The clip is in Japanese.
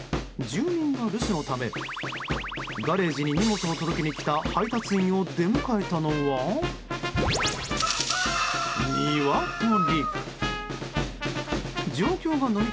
住民が留守のためガレージに荷物を届けに来た配達員を出迎えたのはニワトリ。